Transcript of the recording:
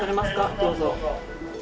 どうぞ。